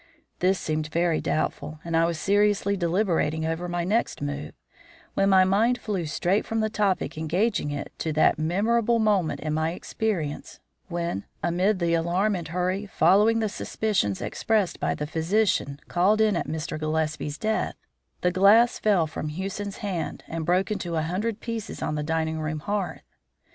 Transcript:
This seemed very doubtful, and I was seriously deliberating over my next move, when my mind flew straight from the topic engaging it to that memorable moment in my experience when, amid the alarm and hurry following the suspicions expressed by the physician called in at Mr. Gillespie's death, the glass fell from Hewson's hand and broke into a hundred pieces on the dining room hearth.